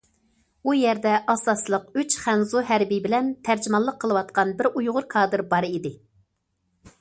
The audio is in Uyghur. ئۇ يەردە ئاساسلىق ئۈچ خەنزۇ ھەربىي بىلەن تەرجىمانلىق قىلىۋاتقان بىر ئۇيغۇر كادىر بار ئىدى.